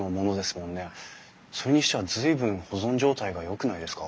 それにしては随分保存状態がよくないですか？